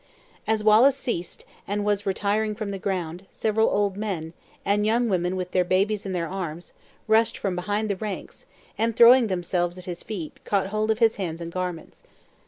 As Wallace ceased, and was retiring from the ground, several old men, and young women with their babes in their arms, rushed from behind the ranks, and throwing themselves at his feet, caught hold of his hands and garments.